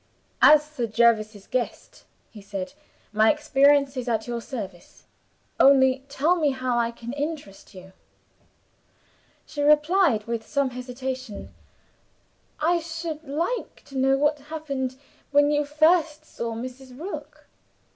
"As Sir Jervis's guest," he said, "my experience is at your service. Only tell me how I can interest you." She replied, with some hesitation, "I should like to know what happened when you first saw Mrs. Rook."